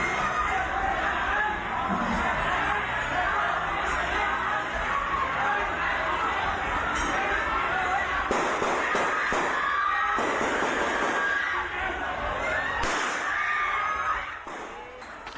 เอิ้นเฮ้ยนั่นก็จะบ้าง